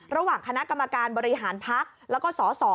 ระหว่างคณะกรรมการบริหารพักแล้วก็สส